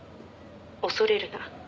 「恐れるな」